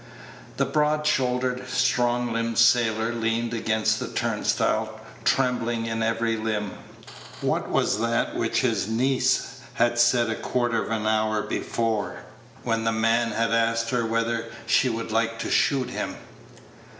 The broad shouldered, strong limbed sailor leaned against the turnstile, trembling in every limb. What was that which his niece had said a quarter of an hour before, when the man had asked her whether she would like to shoot him?